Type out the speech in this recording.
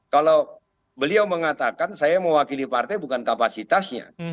kalau beliau mengatakan saya mewakili partai bukan kapasitasnya